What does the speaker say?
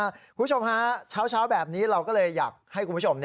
คุณผู้ชมฮะเช้าแบบนี้เราก็เลยอยากให้คุณผู้ชม